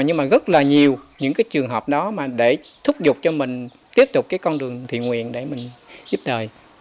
nhưng mà rất là nhiều những cái trường hợp đó mà để thúc giục cho mình tiếp tục cái con đường thiện nguyện để mình giúp đời